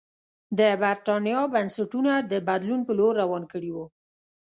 د برېټانیا بنسټونه د بدلون په لور روان کړي وو.